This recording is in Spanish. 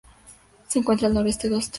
Se encuentra al noreste de Australia.